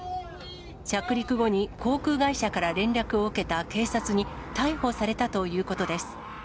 着陸後に航空会社から連絡を受けた警察に逮捕されたということです。